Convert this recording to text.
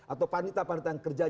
atau panitra panitra yang kerja